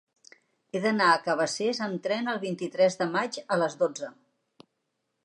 He d'anar a Cabacés amb tren el vint-i-tres de maig a les dotze.